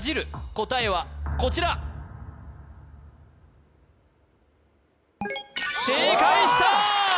答えはこちら正解した！